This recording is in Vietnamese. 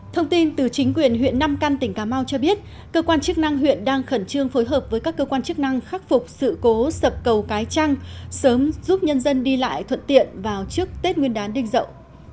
thông tin từ chính quyền huyện nam căn tỉnh cà mau cho biết cơ quan chức năng huyện đang khẩn trương phối hợp với các cơ quan chức năng khắc phục sự cố sập cầu cái trăng sớm giúp nhân dân đi lại thuận tiện vào trước tết nguyên đán đình dậu